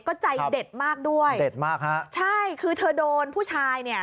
ก็ใจเด็ดมากด้วยใช่คือเธอโดนผู้ชายเนี่ย